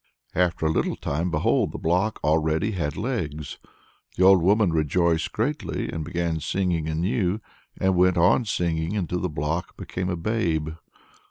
After a little time "behold! the block already had legs. The old woman rejoiced greatly and began singing anew, and went on singing until the block became a babe."